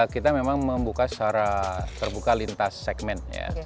kita memang membuka secara terbuka lintas segmen